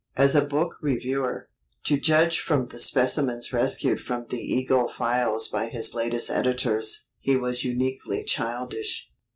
As a book reviewer, to judge from the specimens rescued from the Eagle files by his latest editors, he was uniquely childish.